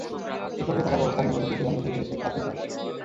শিক্ষকদের থাকার ব্যবস্থা নেই বলে দূরদূরান্ত থেকে এসে কলেজে ক্লাস নিতে হয়।